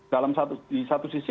di satu sisi